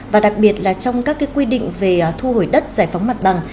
và đặc biệt là trong các quy định về thu hồi đất giải phóng mặt bằng